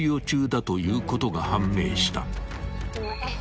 ［だということが判明した］